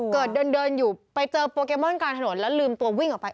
เดินเดินอยู่ไปเจอโปเกมอนกลางถนนแล้วลืมตัววิ่งออกไป